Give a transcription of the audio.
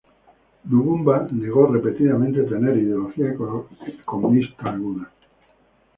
Lumumba negó repetidamente tener ideología comunista alguna.